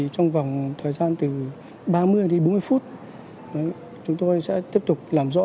trong vòng thời gian từ ba mươi đến bốn mươi phút chúng tôi sẽ tiếp tục làm rõ